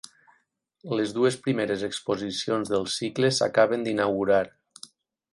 Les dues primeres exposicions del cicle s’acaben d’inaugurar.